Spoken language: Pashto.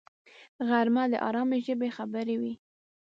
غرمه د آرامي ژبې خبرې وي